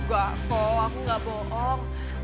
gak kok aku gak bohongin